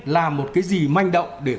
làm một cái gì manh động để